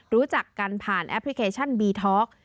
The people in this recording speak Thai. รู้จักกันผ่านแอปพลิเคชันบีท็อก